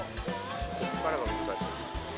ここからが難しい。